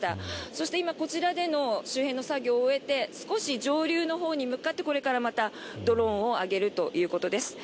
そして今こちらでの周辺の作業を終えて少し上流のほうに向かってこれからまたドローンを上げるということです。